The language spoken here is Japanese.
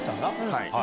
はい。